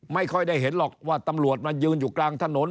ไม่ค่อยได้เห็นหรอกว่าตำรวจมายืนอยู่กลางถนน